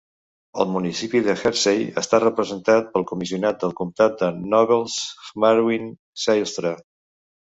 El municipi de Hersey està representat pel comissionat del comtat de Nobles, Marvin Zylstra.